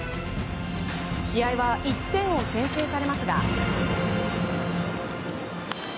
試合は１点を先制されますが。